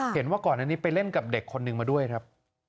เห็นว่าก่อนอันนี้ไปเล่นกับเด็กคนนึงมาด้วยครับ